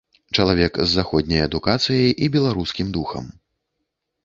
Чалавек з заходняй адукацыяй і беларускім духам.